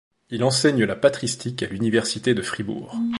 Il enseigne la patristique à l’université de Fribourg.